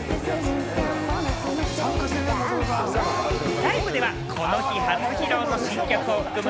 ライブではこの日初披露の新曲を含む